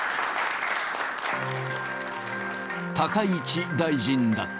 高市大臣だった。